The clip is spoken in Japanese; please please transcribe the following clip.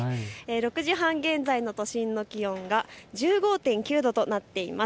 ６時半現在の都心の気温が１５．９度となっています。